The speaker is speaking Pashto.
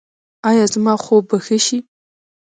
ایا زما خوب به ښه شي؟